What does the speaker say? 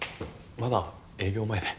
まだ営業前で。